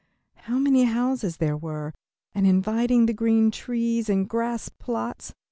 How many houses there were, and how inviting the green trees and grass plots!